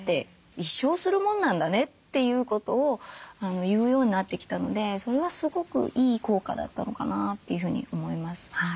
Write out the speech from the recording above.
「一生するもんなんだね」ということを言うようになってきたのでそれはすごくいい効果だったのかなというふうに思います。